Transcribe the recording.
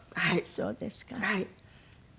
そうですか。